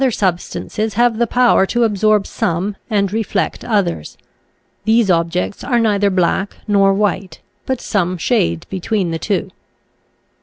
substances have the power to absorb some and reflect others; these objects are neither black nor white, but some shade between the two.